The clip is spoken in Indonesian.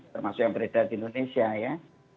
termasuk yang beredar di indonesia ya